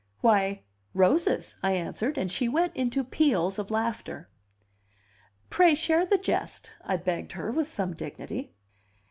"Why, roses," I answered; and she went into peals of laughter. "Pray share the jest," I begged her with some dignity.